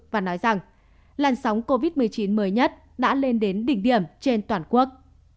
và nói rằng làn sóng covid một mươi chín mới nhất đã lên đến đỉnh điểm trên toàn quốc